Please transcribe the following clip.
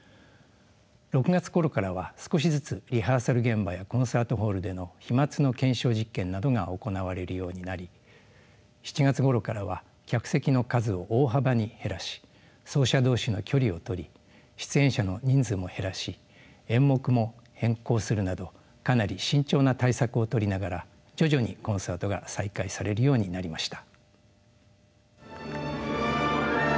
６月ころからは少しずつリハーサル現場やコンサートホールでの飛まつの検証実験などが行われるようになり７月ごろからは客席の数を大幅に減らし奏者同士の距離をとり出演者の人数も減らし演目も変更するなどかなり慎重な対策を取りながら徐々にコンサートが再開されるようになりました。